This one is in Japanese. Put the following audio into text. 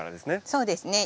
そうですね。